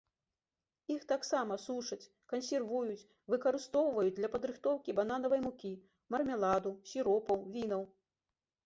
Іх таксама сушаць, кансервуюць, выкарыстоўваюць для падрыхтоўкі бананавай мукі, мармеладу, сіропаў, вінаў.